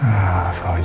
ah pausi pausi